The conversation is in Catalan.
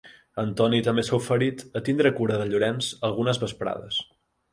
Antoni també s’ha oferit a tindre cura de Llorenç algunes vesprades.